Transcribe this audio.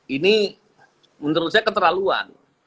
ini menurut saya keterlaluan